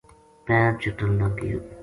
پیر چٹن لگ گیو